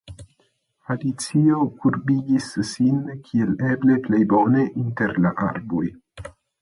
Alicio kurbigis sin kiel eble plej bone inter la arboj.